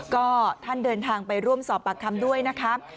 ก็ท่านเดินทางไปร่วมสอบปากคำด้วยนะครับ